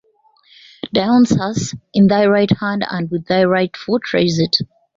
"Dionysus": In thy right hand, and with thy right foot raise it".